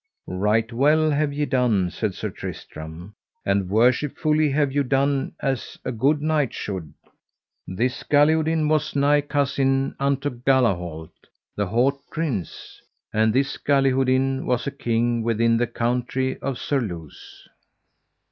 Right well have ye done, said Sir Tristram, and worshipfully have ye done as a good knight should. This Galihodin was nigh cousin unto Galahalt, the haut prince; and this Galihodin was a king within the country of Surluse.